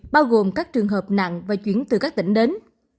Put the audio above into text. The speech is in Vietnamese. bao gồm các trường hợp nặng và chuyển từ các tỉnh đến